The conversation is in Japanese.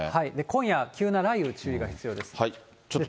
今夜、急な雷雨、注意が必要です。